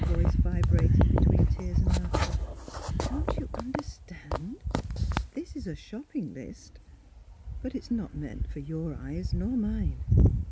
Greg," she said, her voice vibrating between tears and laughter, " don't you understand.'' This is a shopping list; but it's not meant for your eyes nor mine.